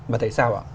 và tại sao ạ